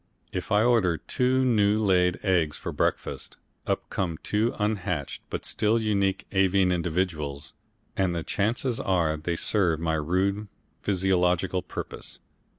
If I order two new laid eggs for breakfast, up come two unhatched but still unique avian individuals, and the chances are they serve my rude physiological purpose.